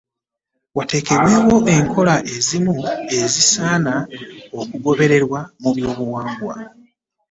Watekebweewo enkola ezimu ezisaana okugobererwa mu buwangwa